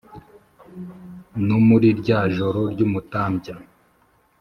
No muri rya joro ry'umutambya